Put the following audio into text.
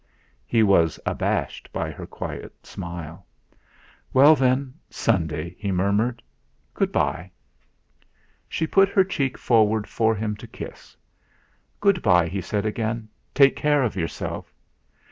He was abashed by her quiet smile. "Well then Sunday," he murmured: "Good bye." She put her cheek forward for him to kiss. "Good bye," he said again; "take care of yourself."